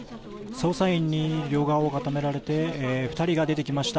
捜査員に両側を固められて２人が出てきました。